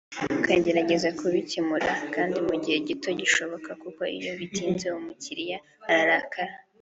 ukagerageza kubikemura kandi mu gihe gito gishoboka kuko iyo bitinze umukiriya ararakara